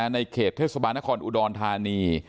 ในเขตเทศบาลนครอุดรธานี